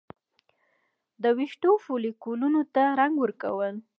د ویښتو فولیکونو ته رنګ ورکول